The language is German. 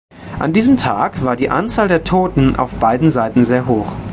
An diesem Tag war die Anzahl der Toten auf beiden Seiten sehr hoch.